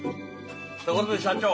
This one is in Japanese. ところで社長。